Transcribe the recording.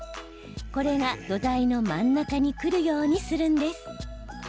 これが土台の真ん中にくるようにするんです。